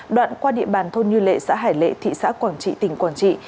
đoạn qua địa bàn thôn như lệ xã hải lệ thị xã quảng trị tỉnh quảng trị